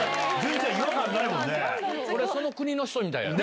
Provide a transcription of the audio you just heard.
俺その国の人みたいやろ？